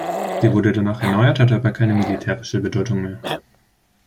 Sie wurde danach erneuert, hatte aber keine militärische Bedeutung mehr.